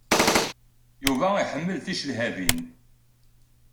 Yuba iḥemmel ticelhabin.